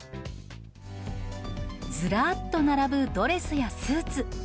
ずらっと並ぶドレスやスーツ。